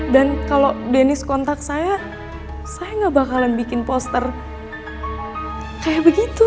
dan kalau deniz kontak saya saya nggak bakalan bikin poster kayak begitu